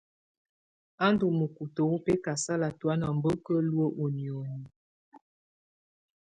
A ndù mukutǝ wù bɛkasala tɔ̀ána mba á ka luǝ́ ù nìóni.